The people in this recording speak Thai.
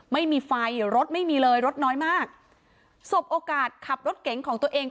ไม่มีไฟรถไม่มีเลยรถน้อยมากสบโอกาสขับรถเก๋งของตัวเอง